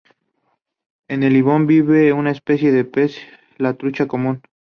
En el ibón vive una especie de pez, la trucha común.